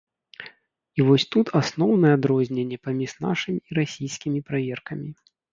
І вось тут асноўнае адрозненне паміж нашымі і расійскімі праверкамі.